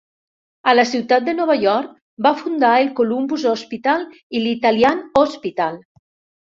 A la ciutat de Nova York va fundar el Columbus Hospital i l'Italian Hospital.